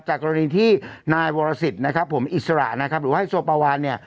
กรณีที่นายวรสิทธิ์นะครับผมอิสระนะครับหรือไฮโซปาวานเนี่ย